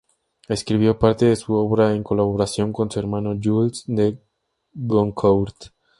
Escribió parte de su obra en colaboración con su hermano, Jules de Goncourt.